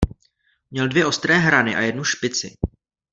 Měl dvě ostré hrany a jednu špici.